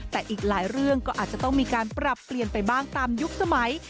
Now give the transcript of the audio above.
แต่อีกหลายเรื่องก็อาจจะต้องมีการปรับเปลี่ยนไปบ้างตามยุคสมัย